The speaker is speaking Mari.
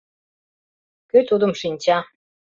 Кӧ тудым шинча.